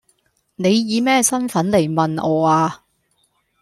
你以咩身份嚟問我呀？